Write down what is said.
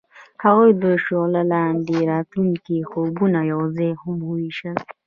هغوی د شعله لاندې د راتلونکي خوبونه یوځای هم وویشل.